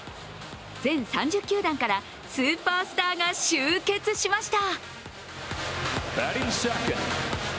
全３０球団からスーパースターが集結しました。